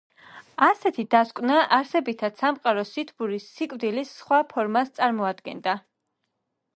ასეთი დასკვნა არსებითად სამყაროს სითბური სიკვდილის სხვა ფორმას წარმოადგენდა.